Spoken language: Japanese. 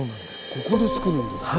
ここでつくるんですか。